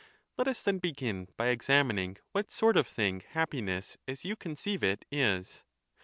Let us then begin by examining what sort of thing happiness as you conceive it is.